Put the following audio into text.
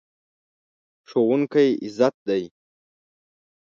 ښوونکی عزت دی.